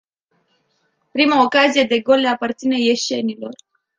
Prima ocazie de gol le aparține ieșenilor.